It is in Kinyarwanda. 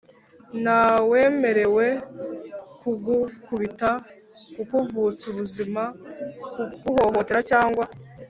ntawemerewe kugukubita, kukuvutsa ubuzima, kuguhohotera cyangwa